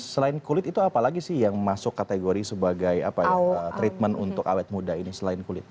selain kulit itu apalagi sih yang masuk kategori sebagai treatment untuk awet muda ini selain kulit